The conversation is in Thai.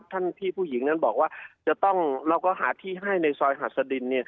ท่านพี่ผู้หญิงนั้นบอกว่าเราก็หาที่ให้ในซอยหาศดิน